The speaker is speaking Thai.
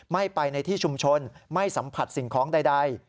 ไม่ไปในที่ชุมชนไม่สัมผัสสิ่งของใด